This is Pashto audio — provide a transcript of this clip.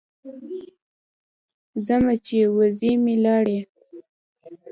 ځمه چې وزې مې لاړې.